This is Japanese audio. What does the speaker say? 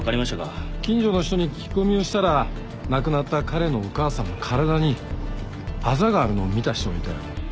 近所の人に聞き込みをしたら亡くなった彼のお母さんの体にあざがあるのを見た人がいたよ。